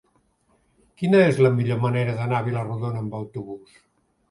Quina és la millor manera d'anar a Vila-rodona amb autobús?